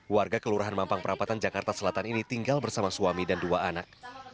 warga kelurahan mampang perapatan jakarta selatan ini tinggal bersama suami dan dua anak